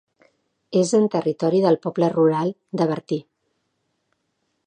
És en territori del poble rural de Bertí.